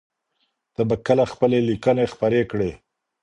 ته به کله خپلي ليکنې خپرې کړې؟